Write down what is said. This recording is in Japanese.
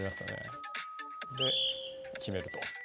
で決めると。